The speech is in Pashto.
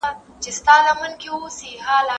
هغه څوک چي ليکنې کوي پوهه زياتوي